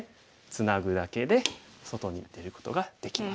ツナぐだけで外に出ることができます。